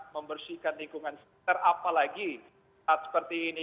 membersihkan lingkungan sekitar apalagi saat seperti ini